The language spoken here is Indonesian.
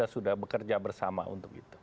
dan kita sudah bekerja bersama untuk itu